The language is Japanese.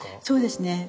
そうですね。